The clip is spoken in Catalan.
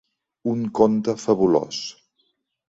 Un conte fabulós.